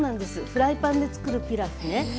フライパンでつくるピラフね。